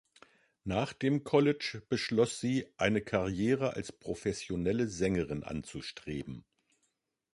Nach dem College beschloss sie, eine Karriere als professionelle Sängerin anzustreben.